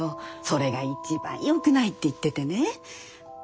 それが一番よくないって言っててね。